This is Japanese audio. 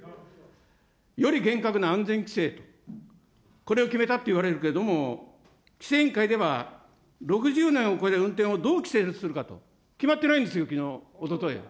より厳格な安全規制、これを決めたと言われるけれども、規制委員会では６０年を超える運転をどう規制するか、決まってないんですよ、きのう、おととい。